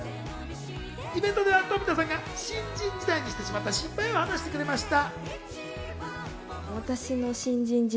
イベントでは富田さんが新人時代にしてしまった失敗を話してくれました。